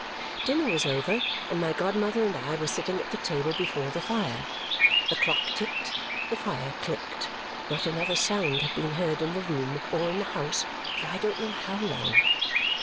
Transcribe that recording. Dinner was over, and my godmother and I were sitting at the table before the fire. The clock ticked, the fire clicked; not another sound had been heard in the room or in the house for I don't know how long.